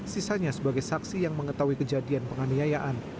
sisanya sebagai saksi yang mengetahui kejadian penganiayaan